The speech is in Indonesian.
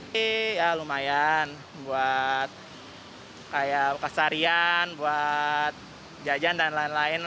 jadi ya lumayan buat keseharian buat jajan dan lain lain aman